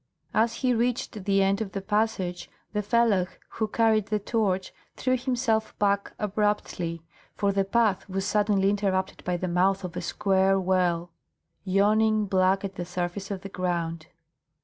As he reached the end of the passage, the fellah who carried the torch threw himself back abruptly, for the path was suddenly interrupted by the mouth of a square well yawning black at the surface of the ground.